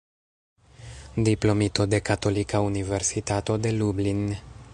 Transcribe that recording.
Diplomito de Katolika Universitato de Lublin.